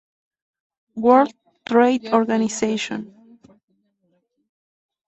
World Trade Organization